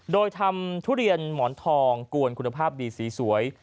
โดยทำทุเรียนหมอนทองกวนคุณภาพดีสีสวย